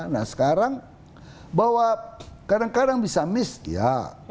nah sekarang bahwa kadang kadang bisa miss ya